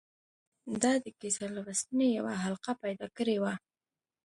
ده د کیسه لوستنې یوه حلقه پیدا کړې وه.